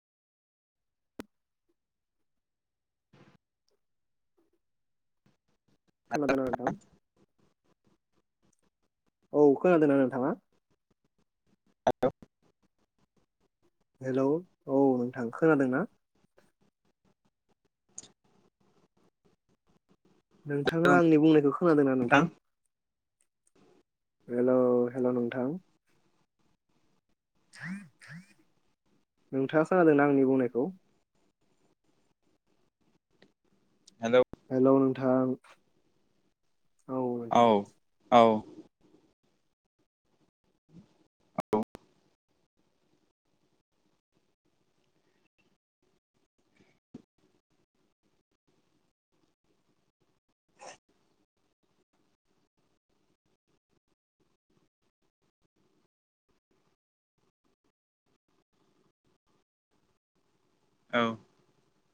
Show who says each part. Speaker 1: खोनादोंना नोंथां? औ खोनादोंना नोंथाङा?
Speaker 2: हेल'
Speaker 1: हेल' औ नोंथां खोनादोंना? नोंथाङा आंनि बुंनायखौ खोनादोंना नोंथां? हेल' हेल' नोंथां नोंथाङा खोनादोंना आंनि बुंनायखौ?
Speaker 2: हेल'
Speaker 1: हेल' नोंथां
Speaker 2: औ औ औ औ